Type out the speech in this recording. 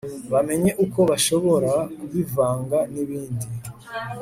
bamenye uko bashobora kubivanga nibindi